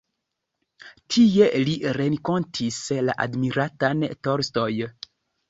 Tie li renkontis la admiratan Tolstoj.